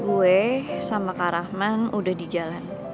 gue sama kak rahman udah di jalan